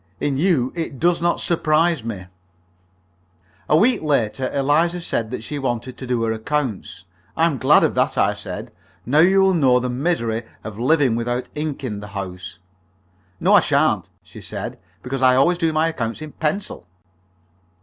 "In you it does not surprise me." A week later Eliza said that she wanted to do her accounts. "I am glad of that," I said. "Now you will know the misery of living without ink in the house." "No, I sha'n't," she said, "because I always do my accounts in pencil."